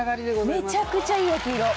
めちゃくちゃいい焼き色。